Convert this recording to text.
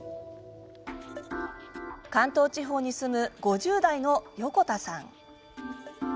関東地方に住む５０代の横田さん。